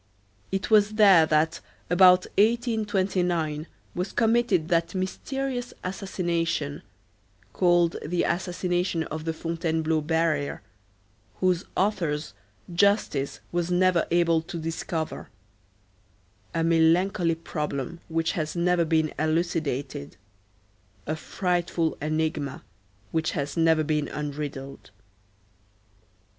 It was there, that, about 1829, was committed that mysterious assassination, called "The assassination of the Fontainebleau barrier," whose authors justice was never able to discover; a melancholy problem which has never been elucidated, a frightful enigma which has never been unriddled.